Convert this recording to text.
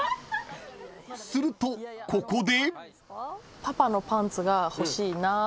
［するとここで］